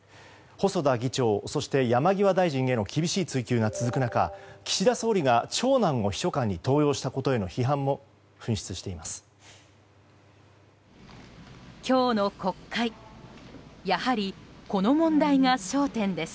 細田議長、そして山際大臣への厳しい追及が続く中岸田総理が長男を秘書官に登用したことへの批判も噴出しています。